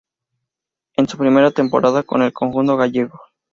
En su primera temporada con el conjunto gallego.